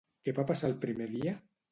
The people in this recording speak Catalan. Què va passar el primer dia?